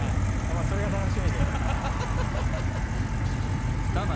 それが楽しみで。